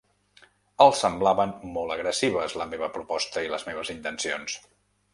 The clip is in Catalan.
Els semblaven molt agressives la meva proposta i les meves intencions.